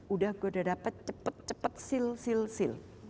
udah gue udah dapet cepet cepet seal seal seal